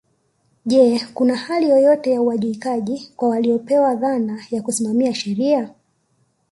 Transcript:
Je kuna hali yoyote ya uwajibikaji kwa waliopewa dhana ya kusimamia sheria